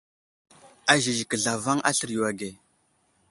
Azəziki zlavaŋ aslər yo age.